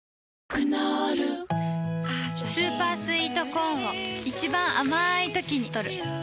クノールスーパースイートコーンを一番あまいときにとる